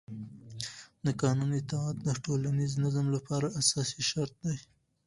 د قانون اطاعت د ټولنیز نظم لپاره اساسي شرط دی